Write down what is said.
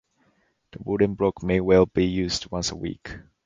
The wooden block may well be used once a week.